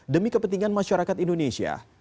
demi kepentingan masyarakat indonesia